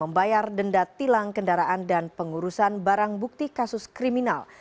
membayar denda tilang kendaraan dan pengurusan barang bukti kasus kriminal